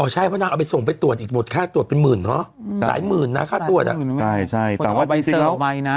อ๋อใช่เพราะน้างส่งไปตรวจอีกหมดข้าตรวจไปหมื่นหรอหลายหมื่นหลายมาก